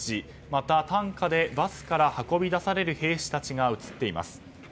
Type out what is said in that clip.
また担架でバスから運び出される兵士たちが映っています。